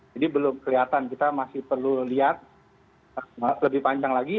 jadi belum kelihatan kita masih perlu lihat lebih panjang lagi